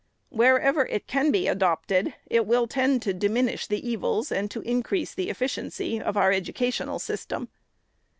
Wherever it can be adopted, it will tend to diminish the evils and to increase the efficiency of our educational system.